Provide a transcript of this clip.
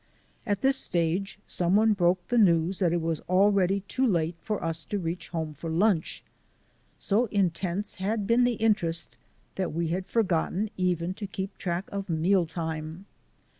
At this stage someone broke the news that it was already too late for us to reach home for lunch. So intense had been the interest that we had forgotten even to keep track of mealtime.